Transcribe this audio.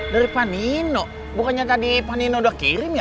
dari pak nino bukannya tadi pak nino udah kirim ya